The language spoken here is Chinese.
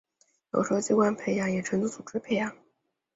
有时候器官培养也称作组织培养。